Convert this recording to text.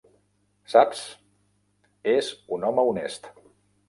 Saps, és un home honest.